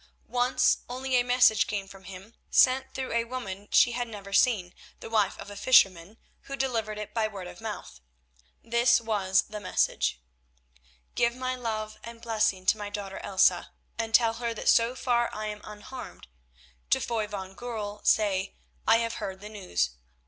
Once only a message came from him, sent through a woman she had never seen, the wife of a fisherman, who delivered it by word of mouth. This was the message: "Give my love and blessing to my daughter Elsa, and tell her that so far I am unharmed. To Foy van Goorl say, I have heard the news.